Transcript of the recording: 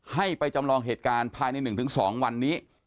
ให้ไปจำลองเหตุการณ์ภายใน๑๒วันนี้